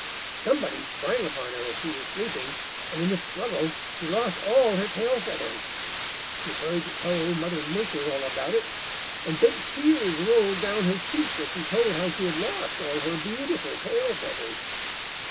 Somebody sprang upon her as she was sleeping, and in the struggle she lost all her tail feathers. She hurried to tell Old Mother Nature all about it, and big tears rolled down her cheeks as she told how she had lost all her beautiful tail feathers.